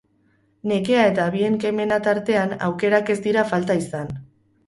Nekea eta bien kemena tartean, aukerak ez dira falta izan.